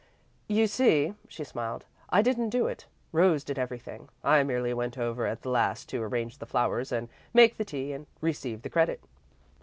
"You see," she smiled, "I didn't do it. Rose did everything. I merely went over at the last to arrange the flowers, make the tea, and receive the credit."